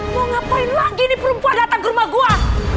mau ngapain lagi nih perempuan datang ke rumah gue